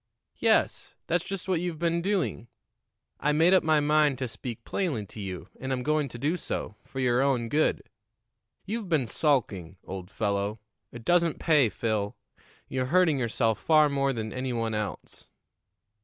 "Yes; that's just what you've been doing. I made up my mind to speak plainly to you, and I'm going to do so for your own good. You've been sulking, old fellow. It doesn't pay, Phil; you're hurting yourself far more than any one else."